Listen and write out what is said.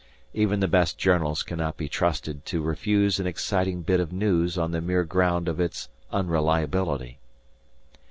Even the best journals cannot be trusted to refuse an exciting bit of news on the mere ground of its unreliability.